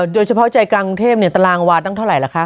โดยเฉพาะใจกรางเทพเนี่ยตารางวาดตั้งเท่าไหร่ละคะ